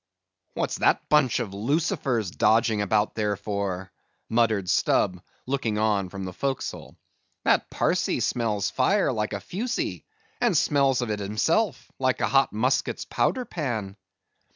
"What's that bunch of lucifers dodging about there for?" muttered Stubb, looking on from the forecastle. "That Parsee smells fire like a fusee; and smells of it himself, like a hot musket's powder pan."